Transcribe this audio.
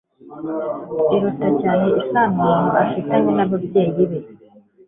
iruta cyane isano umuntu afitanye n'ababyeyi be